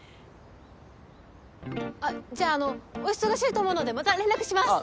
あじゃああのお忙しいと思うのでまた連絡します！